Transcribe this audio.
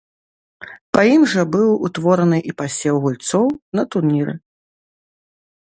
Па ім жа быў утвораны і пасеў гульцоў на турніры.